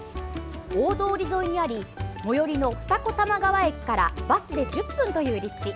大通り沿いにあり最寄りの二子玉川駅からバスで１０分という立地。